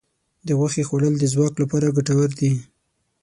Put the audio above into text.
د غوښې خوړل د ځواک لپاره ګټور دي.